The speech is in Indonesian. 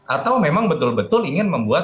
atau memang betul betul ingin membuat